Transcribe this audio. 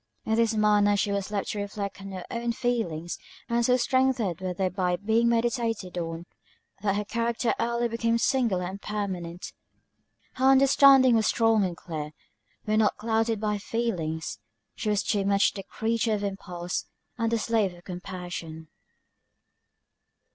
In this manner was she left to reflect on her own feelings; and so strengthened were they by being meditated on, that her character early became singular and permanent. Her understanding was strong and clear, when not clouded by her feelings; but she was too much the creature of impulse, and the slave of compassion.